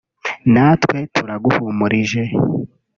natwe turaguhumurije